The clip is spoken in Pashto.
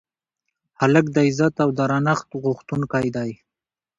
هلک د عزت او درنښت غوښتونکی دی.